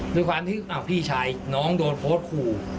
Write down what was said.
ด้วยความที่พี่ชายน้องโดนโพสต์ขู่